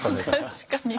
確かに。